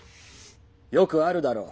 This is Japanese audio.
よくあるだろう。